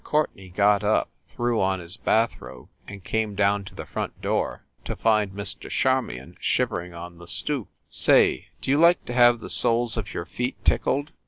Courte nay got up, threw on his bath robe and came down to the front door, to find Mr. Charmion shivering on the stoop. "Say, do you like to have the soles of your feet tickled?"